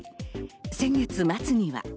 先月末には。